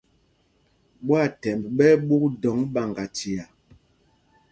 Ɓwaathɛmb ɓɛ́ ɛ́ ɓûk dɔŋ ɓaŋgachia.